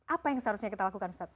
apa yang seharusnya kita lakukan